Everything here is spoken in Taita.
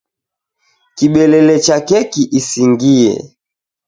Kibelele cha keki isingie.